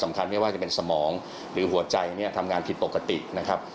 ไม่ว่าจะเป็นสมองหรือหัวใจเนี่ยทำงานผิดปกตินะครับ